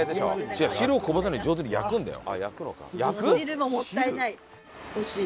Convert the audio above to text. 違う汁をこぼさないように上手に焼くんだよ。